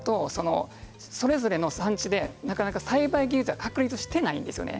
それぞれの産地でなかなか栽培技術が確立していないんですよね。